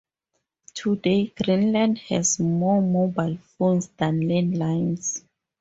Today, Greenland has more mobile phones than landlines.